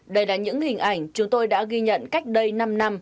đây là những hình ảnh chúng tôi đã ghi nhận cách đây năm năm